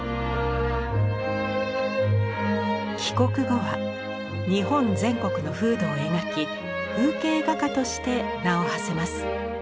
帰国後は日本全国の風土を描き風景画家として名をはせます。